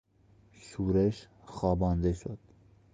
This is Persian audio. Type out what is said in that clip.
شورش خوابانده شد.